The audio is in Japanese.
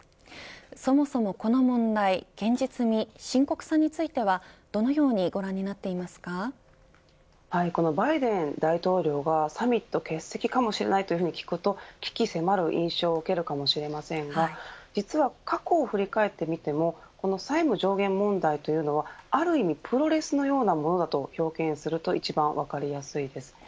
そもそもこの問題現実味、深刻さについてはどのようにバイデン大統領がサミット欠席かもしれないと聞くと危機迫る印象を受けるかもしれませんが実は過去を振り返ってみても債務上限問題というのはある意味プロレスのようなものだと表現すると一番分かりやすいです。